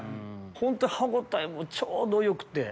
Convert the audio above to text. ホント歯応えもちょうど良くて。